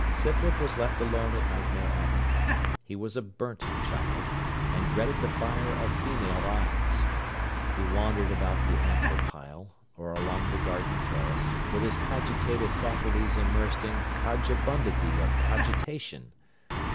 Scythrop was left alone at Nightmare Abbey. He was a burnt child, and dreaded the fire of female eyes. He wandered about the ample pile, or along the garden terrace, with 'his cogitative faculties immersed in cogibundity of cogitation.'